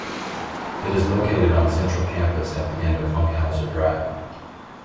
It is located on central campus at the end of Funkhouser Drive.